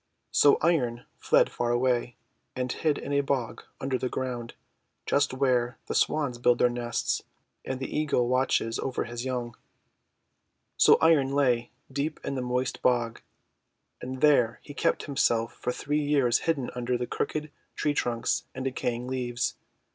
So Iron fled far away, and hid in a bog under the ground, just where the Swans build their nests and the Eagle watches over his young. So Iron lay deep in the moist bog, and there he kept himself for three years hidden under crooked tree trunks and decaying leaves.